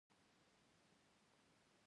سوړ، ساړه، سړه، سړې.